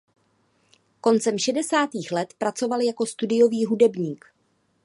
Koncem šedesátých let pracoval jako studiový hudebník.